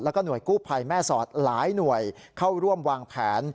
แล้วก็หน่วยกู้ภัยแม่สอดหลายหน่วยเข้าร่วมวางแผน